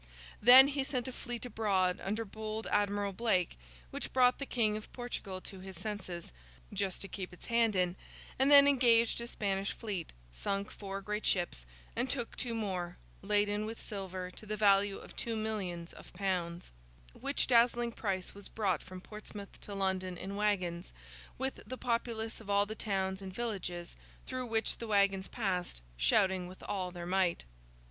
Then, he sent a fleet abroad under bold Admiral Blake, which brought the King of Portugal to his senses—just to keep its hand in—and then engaged a Spanish fleet, sunk four great ships, and took two more, laden with silver to the value of two millions of pounds: which dazzling prize was brought from Portsmouth to London in waggons, with the populace of all the towns and villages through which the waggons passed, shouting with all their might.